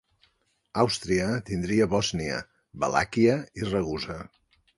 Àustria tindria Bòsnia, Valàquia i Ragusa.